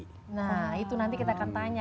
nah itu nanti kita akan tanya